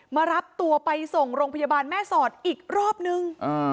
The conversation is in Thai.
มารับตัวไปส่งโรงพยาบาลแม่สอดอีกรอบนึง